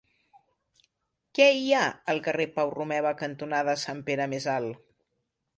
Què hi ha al carrer Pau Romeva cantonada Sant Pere Més Alt?